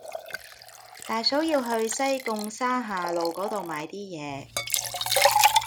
大嫂要去西貢沙下路嗰度買啲嘢